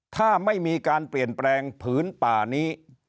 ถ้าไม่มีการเปลี่ยนแปลงผืนป่านี้